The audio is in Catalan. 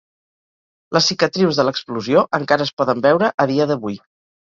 Les cicatrius de l'explosió encara es poden veure a dia d'avui.